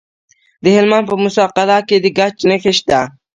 د هلمند په موسی قلعه کې د ګچ نښې شته.